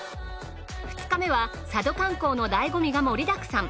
２日目は佐渡観光の醍醐味が盛りだくさん。